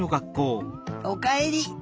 おかえり！